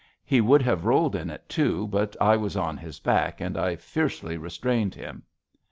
He would have rolled in it, too, but I was on his back and I fiercely restrained him.